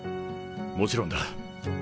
もちろんだ。